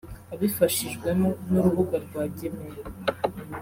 abifashijwemo n’urubuga rwa gemeya